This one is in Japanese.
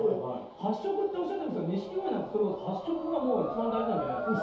発色っておっしゃってますけど、ニシキゴイなんて、それこそ発色が一番大事なんじゃないんですか。